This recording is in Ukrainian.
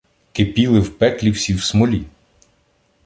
Кипіли в пеклі всі в смолі.